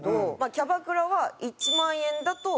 キャバクラは１万円だと足りない。